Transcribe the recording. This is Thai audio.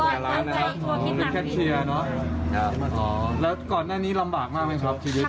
อ๋อจะตัวอร่อยอ๋อแค่เชียร์เนอะอ๋อแล้วก่อนในนี้ลำบากมากไหมครับชีวิต